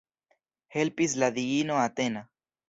Helpis la diino Atena.